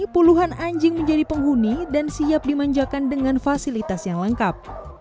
puluhan anjing menjadi penghuni dan siap dimanjakan dengan fasilitas yang lengkap